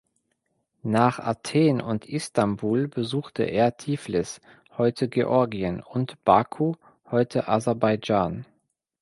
Nach Athen und Istanbul besuchte er Tiflis (heute Georgien) und Baku (heute Aserbaidschan).